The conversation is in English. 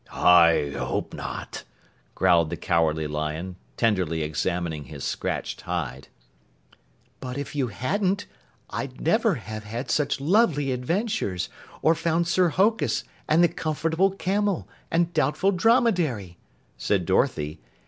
"I hope not," growled the Cowardly Lion, tenderly examining his scratched hide. "But if you hadn't, I'd never have had such lovely adventures or found Sir Hokus and the Comfortable Camel and Doubtful Dromedary," said Dorothy.